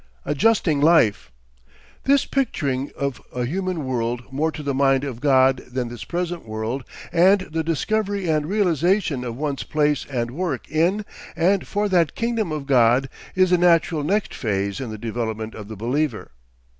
ADJUSTING LIFE This picturing of a human world more to the mind of God than this present world and the discovery and realisation of one's own place and work in and for that kingdom of God, is the natural next phase in the development of the believer.